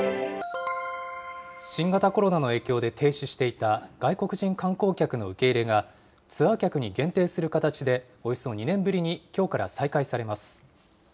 新型コロナの影響で停止していた外国人観光客の受け入れが、ツアー客に限定する形で、およそ２年ぶりにきょうから再開されます。